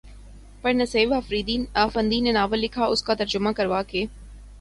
پر نسیب آفندی نے ناول لکھا، اس کا ترجمہ کروا کے